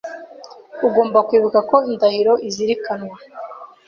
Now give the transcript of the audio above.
Ugomba kwibuka ko indahiro izirikanwa